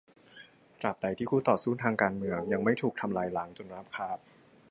ตราบใดที่คู่ต่อสู้ทางการเมืองยังไม่ถูกทำลายล้างจนราบคาบ